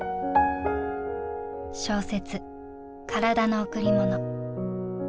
小説「体の贈り物」。